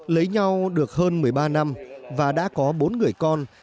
lấy nhau được hơn một mươi ba năm và đã có bốn người con